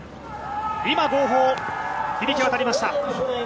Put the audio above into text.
今、号砲、響き渡りました。